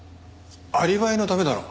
アリバイのためだろ。